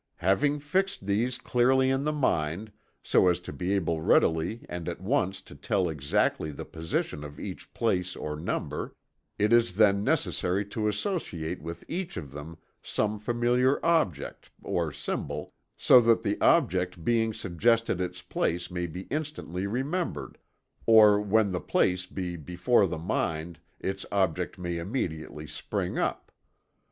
Having fixed these clearly in the mind, so as to be able readily and at once to tell exactly the position of each place or number, it is then necessary to associate with each of them some familiar object (or symbol) so that the object being suggested its place may be instantly remembered, or when the place be before the mind its object may immediately spring up.